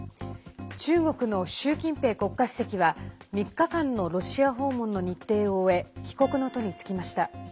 中国の習近平国家主席は３日間のロシア訪問の日程を終え帰国の途に就きました。